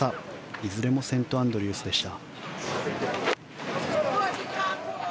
いずれもセントアンドリュースでした。